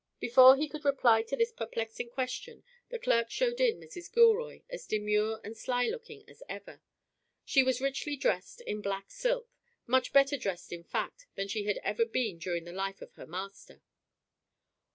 Before he could reply to this perplexing question, the clerk showed in Mrs. Gilroy, as demure and sly looking as ever. She was richly dressed in black silk, much better dressed in fact than she had ever been during the life of her master.